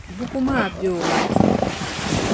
Buku maa be o ma duu.